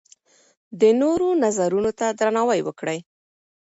د نورو نظرونو ته درناوی وکړئ.